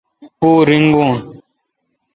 پو ریگو ۔